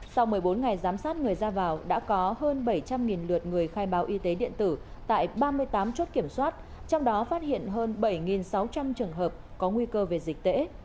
sau một mươi bốn ngày giám sát người ra vào đã có hơn bảy trăm linh lượt người khai báo y tế điện tử tại ba mươi tám chốt kiểm soát trong đó phát hiện hơn bảy sáu trăm linh trường hợp có nguy cơ về dịch tễ